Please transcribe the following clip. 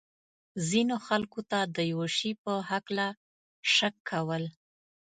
ځینو خلکو ته د یو شي په هکله شک کول.